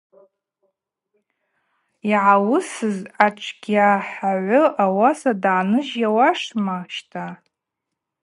Йгӏауысыз ачвгьахагӏвы ауаса дгӏаныжь ауашма, щта.